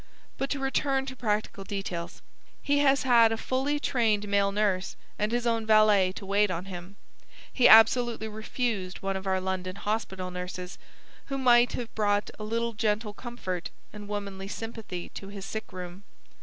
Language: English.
But to return to practical details. He has had a fully trained male nurse and his own valet to wait on him. He absolutely refused one of our London hospital nurses, who might have brought a little gentle comfort and womanly sympathy to his sick room.